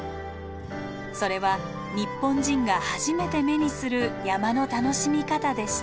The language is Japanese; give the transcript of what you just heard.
それは日本人が初めて目にする山の楽しみ方でした。